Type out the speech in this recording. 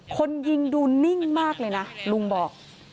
คนยิงดูนิ่งมากเลยนะลุงบอก